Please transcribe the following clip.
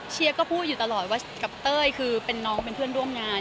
เชียร์ก็พูดอยู่ตลอดว่ากับเต้ยคือเป็นน้องเป็นเพื่อนร่วมงาน